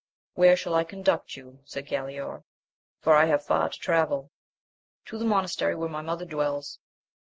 Where shall I conduct you ? said Galaor, for I have far to travel. — To the monastery, where my mother dwells.